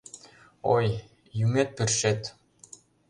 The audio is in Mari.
Ой, юмет-пӱршет!